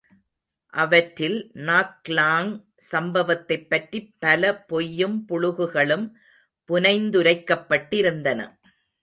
அவற்றில் நாக்லாங் சம்பவத்தைப் பற்றிப் பலபொய்யும் புளுகுகளும் புனைந்துரைக்கப்பட்டிருந்தன.